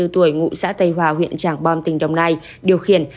ba mươi bốn tuổi ngụ xã tây hòa huyện trảng bom tỉnh đồng nai điều khiển